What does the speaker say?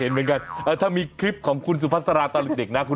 นี่คือคลิปของคุณตอนเด็ก